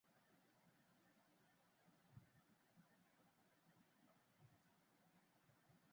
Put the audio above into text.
এটি একটি বৃত্তাকার গঠনের মধ্যে নির্মিত, সম্পূর্ণভাবে মন্দিরটি বালি পাথরের খন্ড সঙ্গে একসাথে করে নির্মিত।